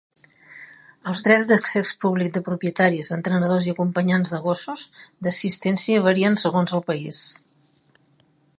Els drets d'accés públic de propietaris, entrenadors i acompanyants de gossos d'assistència varien segons el país.